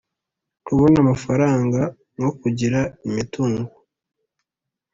kubona amafaranga nko kugira imitungo